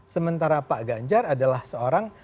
sementara pak ganjar adalah seorang